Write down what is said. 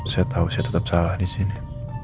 saya tahu saya tetap salah disini